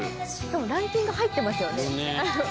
ランキング入ってますよね。